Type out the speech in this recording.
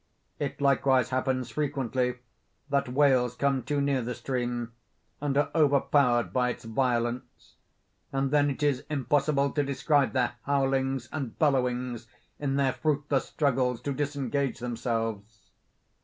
It likewise happens frequently, that whales come too near the stream, and are overpowered by its violence; and then it is impossible to describe their howlings and bellowings in their fruitless struggles to disengage themselves.